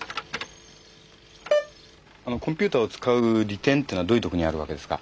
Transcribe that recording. あのコンピューターを使う利点っていうのはどういうところにあるわけですか？